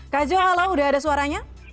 kak jo halo sudah ada suaranya